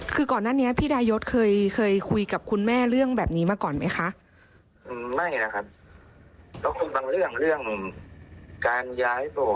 คือก่อนหน้านี้พี่ดายศเคยคุยกับคุณแม่เรื่องแบบนี้มาก่อนไหมคะ